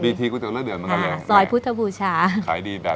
บีทีกูจะเลือกเดือดมากันเลยอ่าซอยพุทธบูชาขายดีแบบนี้